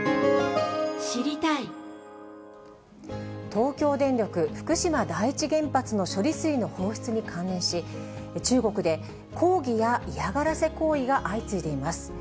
東京電力福島第一原発の処理水の放出に関連し、中国で抗議や嫌がらせ行為が相次いでいます。